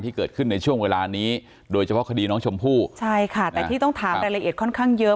ที่เกิดขึ้นในช่วงเวลานี้โดยเฉพาะคดีน้องชมพู่ใช่ค่ะแต่ที่ต้องถามรายละเอียดค่อนข้างเยอะ